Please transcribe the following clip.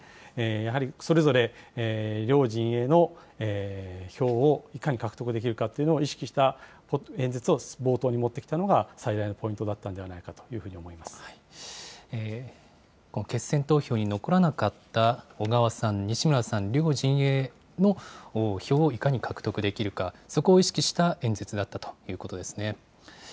やはり、それぞれ両陣営への票をいかに獲得できるかというのを意識した演説を冒頭に持ってきたのが最大のポイントだったんではないかと思この決選投票に残らなかった小川さん、西村さん、両陣営の票をいかに獲得できるか、そこを意識した演説だったということですね。